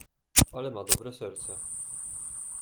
"Ale ma dobre serce."